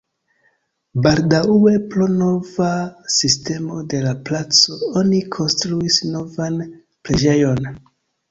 Baldaŭe pro nova sistemo de la placo oni konstruis novan preĝejon.